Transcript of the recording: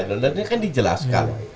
dan itu kan dijelaskan